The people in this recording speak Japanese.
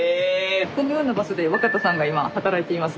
このような場所で若田さんが今働いています。